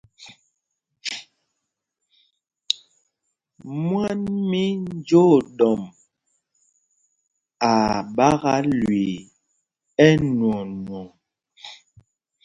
Mwán mí Njǒɗɔmb aa ɓākā lüii ɛ́nwɔɔnwɔŋ.